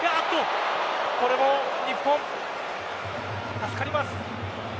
これも日本助かります。